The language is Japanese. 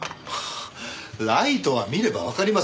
ライトは見ればわかります。